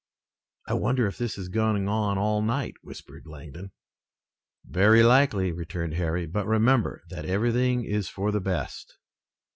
"I wonder if this is going on all night," whispered Langdon. "Very likely," returned Harry, "but remember that everything is for the best."